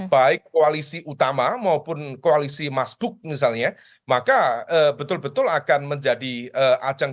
baik koalisi utama maupun koalisi mas buk misalnya maka betul betul akan menjadi ajang